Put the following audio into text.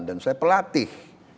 dan saya pelatih